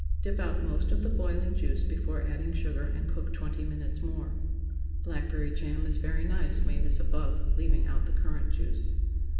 Dip out most of the boiling juice before adding sugar, and cook twenty minutes more. Blackberry jam is very nice made as above, leaving out the currant juice.